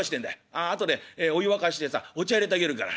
後でお湯沸かしてさお茶いれてあげるから」。